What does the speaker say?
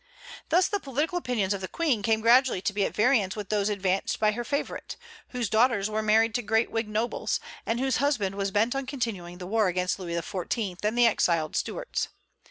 Thus the political opinions of the Queen came gradually to be at variance with those advanced by her favorite, whose daughters were married to great Whig nobles, and whose husband was bent on continuing the war against Louis XIV. and the exiled Stuarts.